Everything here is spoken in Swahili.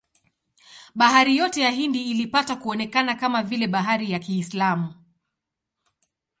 Bahari yote ya Hindi ilipata kuonekana kama vile bahari ya Kiislamu.